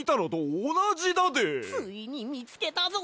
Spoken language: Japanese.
ついにみつけたぞ！